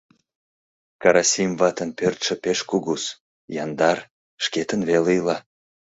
Карасим ватын пӧртшӧ пеш кугус, яндар, шкетын веле ила.